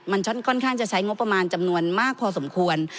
มันค่อนข้างจะใช้งบประมาณจำนวนมากพอสมควร